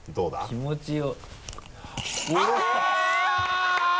気持ちで。